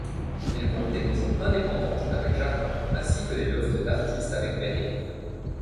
Elle compte des maisons indépendantes avec jardins ainsi que des lofts d’artistes avec verrière.